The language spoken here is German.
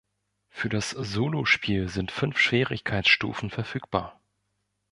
Für das Solospiel sind fünf Schwierigkeitsstufen verfügbar.